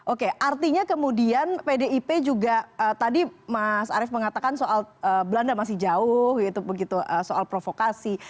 oke artinya kemudian pdip juga tadi mas arief mengatakan soal belanda masih jauh gitu soal provokasi